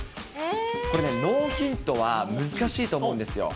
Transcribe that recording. これ、ノーヒントは難しいと思うんですよ。